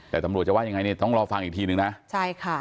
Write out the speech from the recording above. แต่ตำรวจจะว่ายังไงต้องรอฟังอีกทีหนึ่งนะ